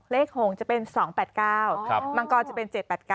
เลข๖จะเป็น๒๘๙มังกรจะเป็น๗๘๙